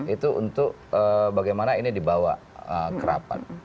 itu untuk bagaimana ini dibawa ke rapat